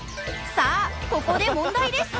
さあここで問題です。